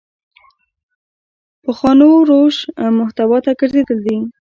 پخوانو روش محتوا ته ګرځېدل دي.